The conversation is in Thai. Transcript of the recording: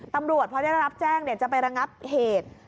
ตำรวจพอได้รับแจ้งจะไประงับเหตุ